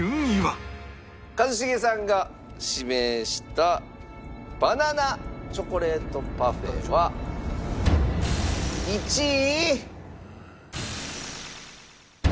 一茂さんが指名したバナナチョコレートパフェは１位。